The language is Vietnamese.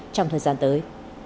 trong thời gian tới